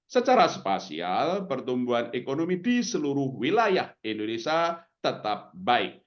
secara spasial pertumbuhan ekonomi di seluruh wilayah indonesia tetap baik